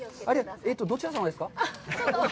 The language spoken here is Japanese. えっと、どちら様ですか？